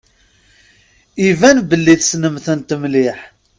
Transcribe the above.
Iban belli tessnem-tent mliḥ.